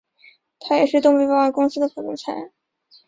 他也是东北保安公司的副总裁。